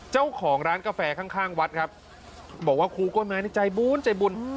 เจ้าของร้านกาแฟข้างข้างวัดครับบอกว่าครูก้นไม้นี่ใจบุญใจบุญ